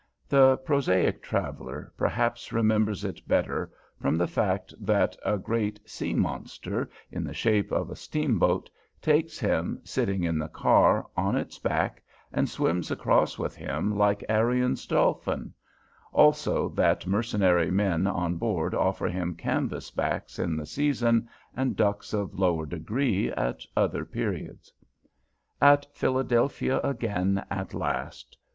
The prosaic traveller perhaps remembers it better from the fact that a great sea monster, in the shape of a steamboat, takes him, sitting in the car, on its back, and swims across with him like Arion's dolphin, also that mercenary men on board offer him canvas backs in the season, and ducks of lower degree at other periods. At Philadelphia again at last!